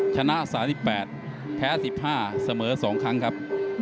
ชนะ๓๘แพ้๑๕เสมอ๒ครั้งครับ